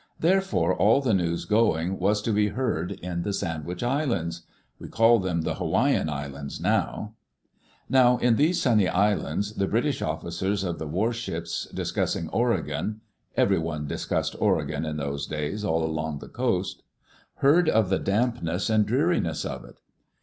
Therefore all the news going was to be heard in the Sandwich Islands. We call them the Hawaiian Islands now. Now in these sunny Islands the British officers of the war ships, discussing Oregon — everyone discussed Oregon, in those days, all along the coast — heard of the dampness Digitized by CjOOQ IC WHO OWNED THE "OREGON COUNTRY"? and dreariness of it.